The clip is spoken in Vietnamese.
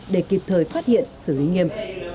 để kịp thời phát hiện xử lý nghiêm